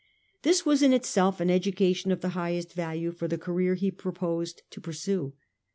This was in itself an education of the highest value for the career he proposed to pursue.